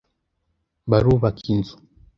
Barubaka inzu.